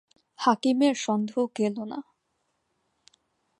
হাকিমের সন্দেহ গেল না।